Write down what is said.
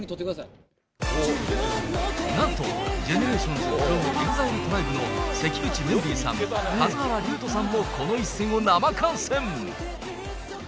なんと、ＧＥＮＥＲＡＴＩＯＮＳｆｒｏｍＥＸＩＬＥＴＲＩＢＥの関口メンディーさん、数原りゅうとさんもこの一戦を生観戦。